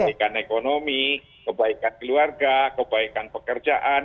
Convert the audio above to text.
perbaikan ekonomi kebaikan keluarga kebaikan pekerjaan